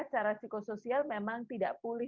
secara psikosoial memang tidak pulih